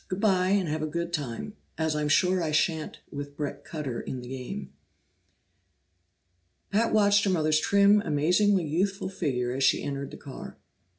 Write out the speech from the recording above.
"Good bye, and have a good time, as I'm sure I shan't with Bret Cutter in the game." Pat watched her mother's trim, amazingly youthful figure as she entered the car.